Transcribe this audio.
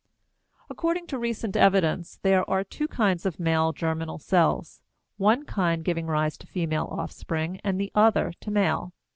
According to recent evidence, there are two kinds of male germinal cells; one kind giving rise to female offspring and the other to male.